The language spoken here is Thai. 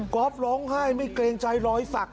อล์ฟร้องไห้ไม่เกรงใจรอยสัก